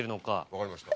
分かりました。